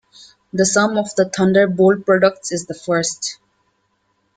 The sum of the thunderbolt products is the first.